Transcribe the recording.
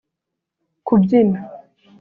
kubyina